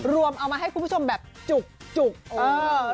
เอามาให้คุณผู้ชมแบบจุกเออ